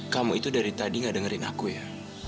kamu itu dari tadi gak dengerin aku ya